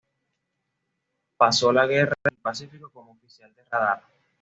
Pasó la guerra en el Pacífico como oficial de radar.